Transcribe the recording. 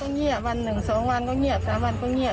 เงียบวันหนึ่ง๒วันก็เงียบ๓วันก็เงียบ